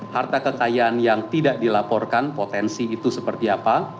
harta kekayaan yang tidak dilaporkan potensi itu seperti apa